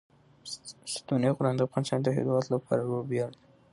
ستوني غرونه د افغانستان د هیوادوالو لپاره ویاړ دی.